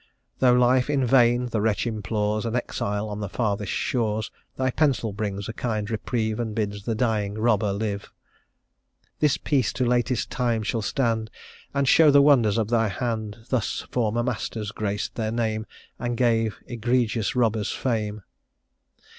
Though life in vain the wretch implores, An exile on the farthest shores, Thy pencil brings a kind reprieve, And bids the dying robber live. This piece to latest time shall stand, And show the wonders of thy hand: Thus former masters graced their name, And gave egregious robbers fame.